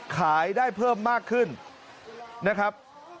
ขายได้เพิ่มมากขึ้นนะครับ